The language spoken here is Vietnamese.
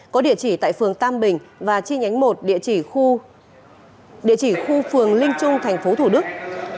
có địa chỉ tại phường tam bình và chi nhánh một địa chỉ khu phường linh trung tp hcm